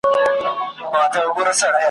روح مي لاندي تر افسون دی نازوه مي ,